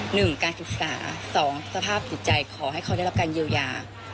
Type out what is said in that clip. หนึ่งการศึกษาสองสภาพจิตใจขอให้เขาได้รับการเยียวยา